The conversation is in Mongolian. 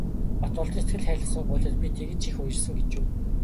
Батболдын сэтгэл хайлгасан гуйлтад би тэгж их уярсан гэж үү.